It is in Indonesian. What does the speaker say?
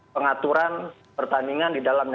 pengaturan pertandingan didalamnya